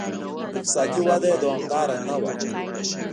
اقتصادي وده یې دوامداره نه وه